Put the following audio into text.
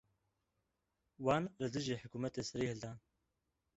Wan li dijî hikûmetê serî hildan.